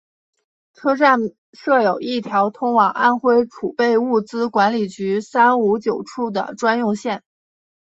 车站设有一条通往安徽储备物资管理局三五九处的专用线。